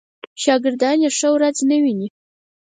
شاګردان یې ښه ورځ نه ویني.